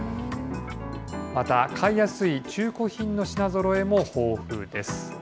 また、買いやすい中古品の品ぞろえも豊富です。